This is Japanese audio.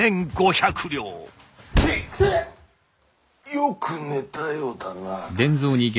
よく寝たようだな？